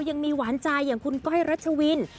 ยังมีหวานใจอย่างคุณก้อยรัชวิน